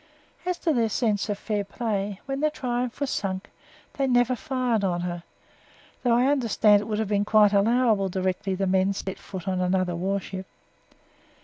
As to their sense of fair play, when the Triumph was sunk, they never fired on her though I understand it would have been quite allowable directly the men set foot on another warship.